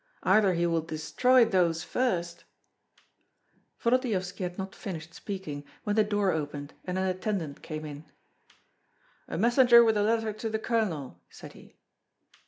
Either he will destroy those first " Volodyovski had not finished speaking when the door opened and an attendant came in. "A messenger with a letter to the Colonel," said he.